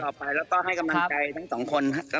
แล้วก็ให้กำลังใจทั้งสองคน